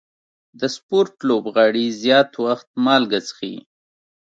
د سپورټ لوبغاړي زیات وخت مالګه څښي.